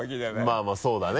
まぁまぁそうだね。